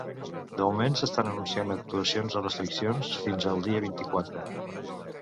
De moment s’estan anunciant actuacions o restriccions fins el dia vint-i-quatre.